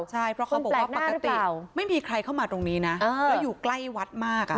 ใช่เพราะเขาบอกว่าปกติไม่มีใครเข้ามาตรงนี้นะแล้วอยู่ใกล้วัดมาก